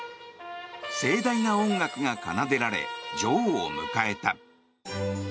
盛大な音楽が奏でられ女王を迎えた。